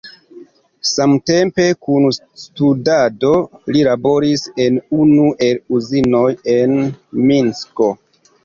Samtempe kun studado, li laboris en unu el uzinoj en Minsko.